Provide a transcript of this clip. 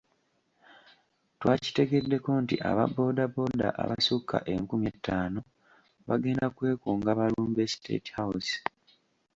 Twakitegeddeko nti aba boda boda abasukka enkumi etaano bagenda kwekunga balumbe State House.